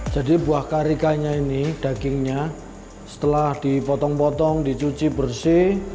jadi buah karikanya ini dagingnya setelah dipotong potong dicuci bersih